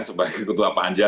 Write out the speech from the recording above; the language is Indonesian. sebagai ketua pahanja